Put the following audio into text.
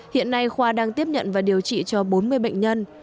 hiện nay khoa đang tiếp nhận và điều trị cho bốn mươi bệnh nhân